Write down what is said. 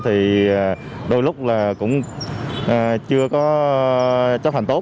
thì đôi lúc cũng chưa có chấp hành tốt